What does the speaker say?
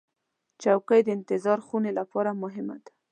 چوکۍ د انتظار خونې لپاره مهمه ده.